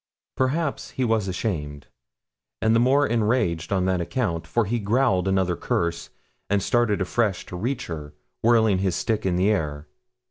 Perhaps he was ashamed, and the more enraged on that account, for he growled another curse, and started afresh to reach her, whirling his stick in the air.